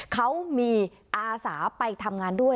เขามีอาสาไปทำงานด้วย